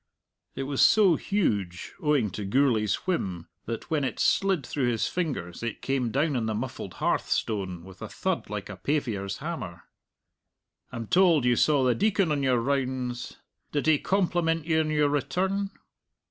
It was so huge, owing to Gourlay's whim, that when it slid through his fingers it came down on the muffled hearthstone with a thud like a pavior's hammer. "I'm told you saw the Deacon on your rounds? Did he compliment you on your return?"